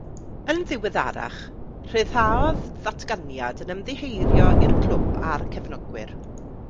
Yn ddiweddarach rhyddhaodd ddatganiad yn ymddiheuro i'r clwb a'r cefnogwyr.